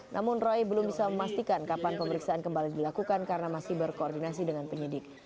namun roy belum bisa memastikan kapan pemeriksaan kembali dilakukan karena masih berkoordinasi dengan penyidik